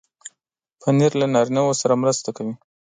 پنېر له نارینو سره مرسته کوي.